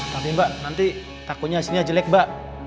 tapi mbak nanti takunya aslinya jelek mbak